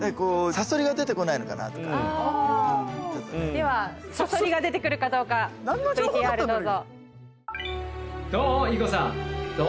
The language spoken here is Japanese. ではサソリが出てくるかどうかＶＴＲどうぞ。